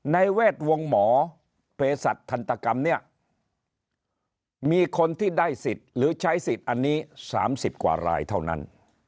แวดวงหมอเพศัตว์ทันตกรรมเนี่ยมีคนที่ได้สิทธิ์หรือใช้สิทธิ์อันนี้๓๐กว่ารายเท่านั้น